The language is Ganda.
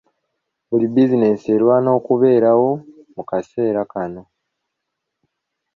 Buli bizinensi erwana okubeerawo mu kaseera kano.